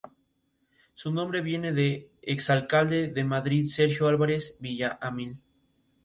Su nombre viene del exalcalde de Madrid Sergio Álvarez de Villaamil.